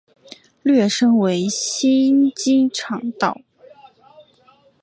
略称为新机场道。